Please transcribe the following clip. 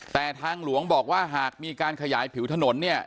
แต่ทางหลวงบอกว่าหากมีการขยายผิวถนนเนี่ย